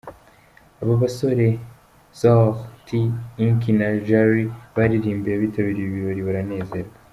Aba basore Soul T, Inki na Jali baririmbiye abitabiriye ibi birori baranezerwa.